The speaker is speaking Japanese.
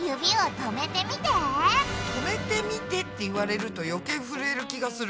止めてみてって言われると余計ふるえる気がする。